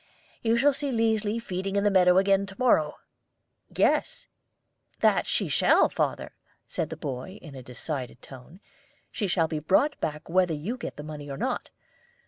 You shall see Liesli feeding in the meadow again to morrow." "Yes, that she shall, father," said the boy, in a decided tone. "She shall be brought back whether you get the money or not.